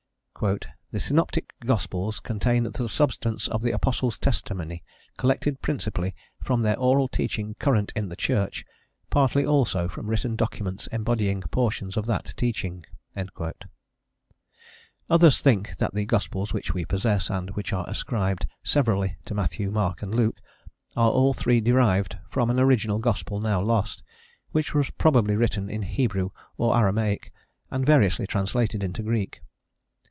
"The synoptic Gospels contain the substance of the Apostles' testimony, collected principally from their oral teaching current in the Church, partly also from written documents embodying portions of that teaching."* Others think that the gospels which we possess, and which are ascribed severally to Matthew, Mark, and Luke, are all three derived from an original gospel now lost, which was probably written in Hebrew or Aramaic, and variously translated into Greek.